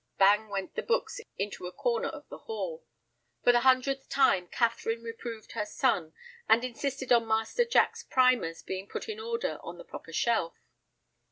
Bang went the books into a corner of the hall. For the hundredth time Catherine reproved her son, and insisted on Master Jack's "primers" being put in order on the proper shelf.